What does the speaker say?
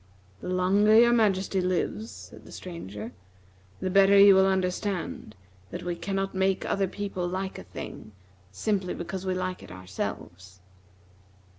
"The longer your Majesty lives," said the Stranger, "the better you will understand that we cannot make other people like a thing simply because we like it ourselves."